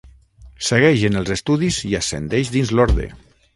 Segueix en els estudis i ascendeix dins l'orde.